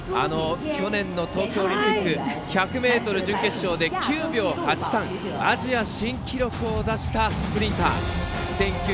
去年の東京オリンピック１００ｍ準決勝で９秒８３アジア新記録を出したスプリンター。